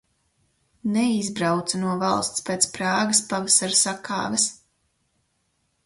Neizbrauca no valsts pēc Prāgas pavasara sakāves.